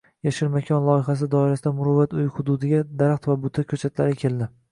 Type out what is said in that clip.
“Yashil makon” loyihasi doirasida “Muruvvat uyi” hududiga daraxt va buta ko‘chatlari ekilding